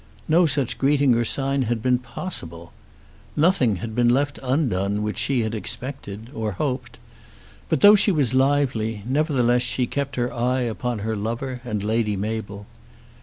No such greeting or sign had been possible. Nothing had been left undone which she had expected, or hoped. But, though she was lively, nevertheless she kept her eye upon her lover and Lady Mabel.